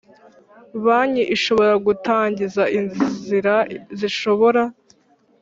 Banki ishobora gutangiza inzira zishobora